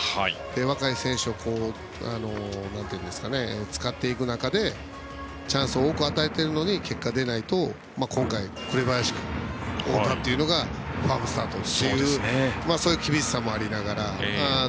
若い選手を使っていく中でチャンスを多く与えているのに結果が出ないと今回、紅林君や太田というのがファームスタートというそういう厳しさもありながら。